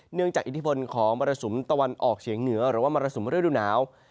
จากอิทธิพลของมรสุมตะวันออกเฉียงเหนือหรือว่ามรสุมฤดูหนาว